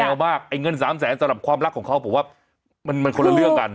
แมวมากไอ้เงิน๓แสนสำหรับความรักของเขาผมว่ามันคนละเลือกกัน